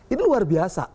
ini luar biasa